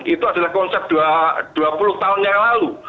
itu adalah konsep dua puluh tahun yang lalu